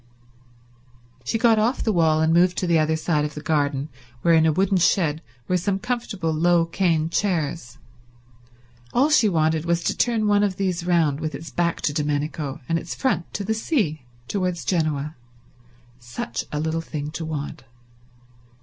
She got off the wall and moved to the other side of the garden, where in a wooden shed were some comfortable low cane chairs. All she wanted was to turn one of these round with its back to Domenico and its front to the sea towards Genoa. Such a little thing to want.